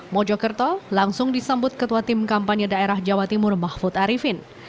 mojokerto langsung disambut ketua tim kampanye daerah jawa timur mahfud arifin